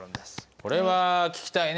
これは聞きたいね